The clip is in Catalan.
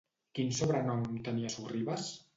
Quin sobrenom tenia Sorribas?